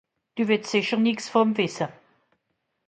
Dü wìtt sìcher nìx vùm wìsse ?